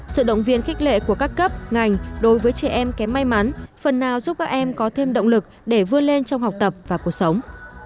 sự động viên khích lệ của các cấp ngành đối với trẻ em kém may mắn phần nào giúp các em có thêm động lực để vươn lên trong học tập và cuộc sống